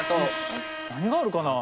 何があるかな。